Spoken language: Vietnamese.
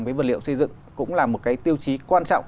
với vật liệu xây dựng cũng là một cái tiêu chí quan trọng